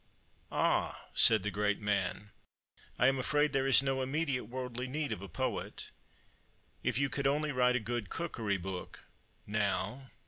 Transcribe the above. "Ah!" said the great man. "I am afraid there is no immediate worldly need of a poet. If you could only write a good cookery book, now!"